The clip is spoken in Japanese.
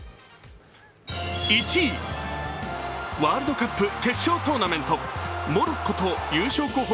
１位、ワールドカップ決勝トーナメント、モロッコと優勝候補